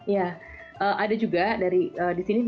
ya ada juga dari di sini